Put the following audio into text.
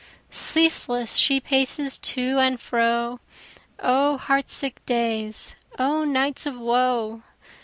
Ceaseless she paces to and fro, O heart sick days! O nights of woe!